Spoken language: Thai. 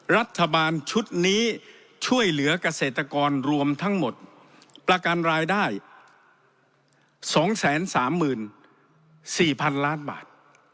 รัฐบาลชุดนี้ช่วยเหลือกเกษตรกรรวมทั้งหมดประกันรายได้๒๓๔๐๐๐ล้านบาท